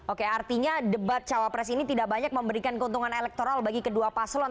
oke artinya debat cawapres ini tidak banyak memberikan keuntungan elektoral bagi kedua paslon